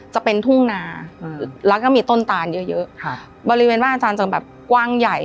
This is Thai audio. จะเป็นทุ่งนาแล้วก็มีต้นตานเยอะเยอะครับบริเวณบ้านอาจารย์จะแบบกว้างใหญ่